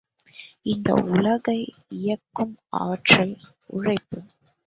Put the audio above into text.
இந்த உலகை இயக்கும் ஆற்றல் உழைப்பு.